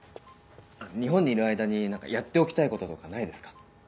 日本にいる間にやっておきたいこととかないですか？